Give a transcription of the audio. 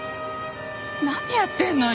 何やってんのよ。